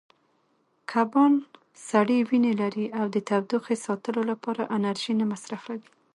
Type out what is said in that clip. کبان سړې وینې لري او د تودوخې ساتلو لپاره انرژي نه مصرفوي.